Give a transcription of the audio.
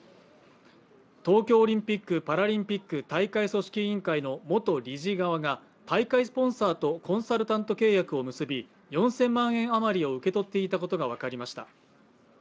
東京オリンピック・パラリンピック大会組織委員会の元理事側が、大会スポンサーとコンサルタント契約を結び、４０００万円あまりを受け取っていたことが分かりました。